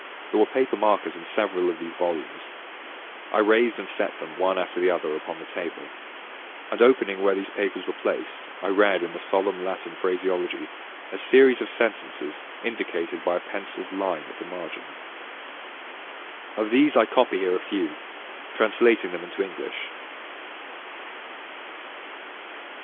There were paper markers in several of these volumes, I raised and placed them, one after the other, upon the table, and opening where these papers were placed, I read in the solemn Latin phraseology, a series of sentences indicated by a pencilled line at the margin. Of these I copy here a few, translating them into English.